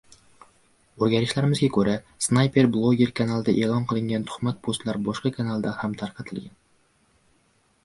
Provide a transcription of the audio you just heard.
Oʻrganishlarimizga koʻra, Snayper bloger kanalida eʼlon qilingan tuhmat postlar boshqa kanalda ham tarqatilgan.